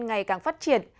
ngày càng phát triển